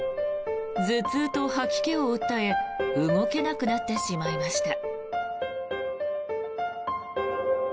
頭痛と吐き気を訴え動けなくなってしまいました。